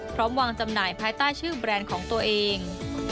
พร้อมวางจำหน่ายภายใต้ชื่อแบรนด์ของตัวเอง